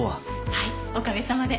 はいおかげさまで。